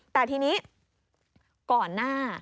แต่ทีนี้ก่อนหน้า